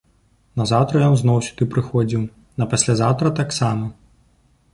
Назаўтра ён зноў сюды прыходзіў, напаслязаўтра таксама.